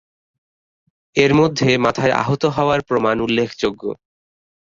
এর মধ্যে মাথায় আহত হওয়ার প্রমাণ উল্লেখযোগ্য।